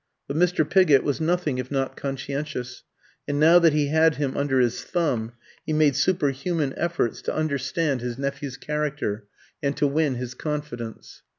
But Mr. Pigott was nothing if not conscientious; and now that he had him under his thumb, he made superhuman efforts to understand his nephew's character and to win his confidence.